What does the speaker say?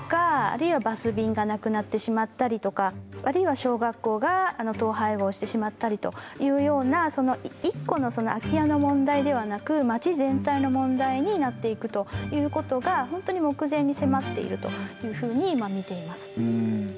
あるいはバス便がなくなってしまったりとかあるいは小学校が統廃合してしまったりというような一個のその空き家の問題ではなく町全体の問題になっていくということが本当に目前に迫っているというふうに見ています。